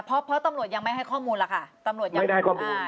เพราะเพราะตำลวจยังไม่ให้ข้อมูลล่ะค่ะตำลวจยังไม่ได้ข้อมูลอ่า